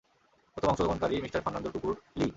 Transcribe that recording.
প্রথম অংশগ্রহণকারী মিস্টার ফার্নান্দোর কুকুরঃ লি।